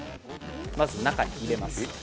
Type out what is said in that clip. まず中に入れます。